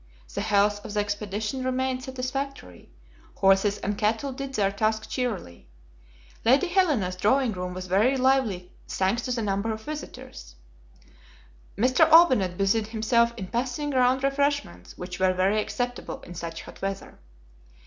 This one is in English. The health of the expedition remained satisfactory; horses and cattle did their task cheerily. Lady Helena's drawing room was very lively, thanks to the number of visitors. M. Olbinett busied himself in passing round refreshments which were very acceptable in such hot weather.